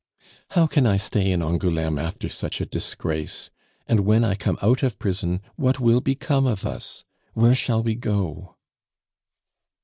"How can I stay in Angouleme after such a disgrace? And when I come out of prison, what will become of us? Where shall we go?"